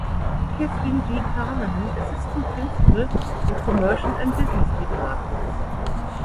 Catherine G. Carnahan Assistant Principal in Commercial and Business Departments.